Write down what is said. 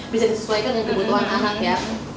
bisa disesuaikan dengan kebutuhan anak ya